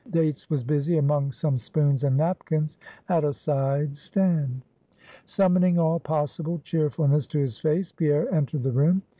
Dates was busy among some spoons and napkins at a side stand. Summoning all possible cheerfulness to his face, Pierre entered the room.